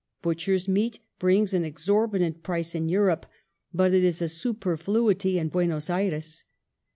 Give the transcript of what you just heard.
Butcher's meat brings an exorbitant price in Europe, but it is a superfluity in Buenos Ayres.